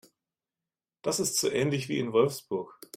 Das ist so ähnlich wie in Wolfsburg